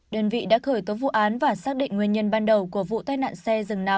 đơn vị đã khởi tố vụ án và xác định nguyên nhân ban đầu của vụ tai nạn xe rừng nào